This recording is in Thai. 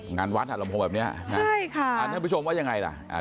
งานวัดอ่ะลำโพงแบบเนี้ยนะใช่ค่ะอ่าท่านผู้ชมว่ายังไงล่ะอ่า